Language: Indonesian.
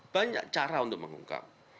banyak cara untuk mengungkap